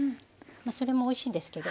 まぁそれもおいしいんですけど。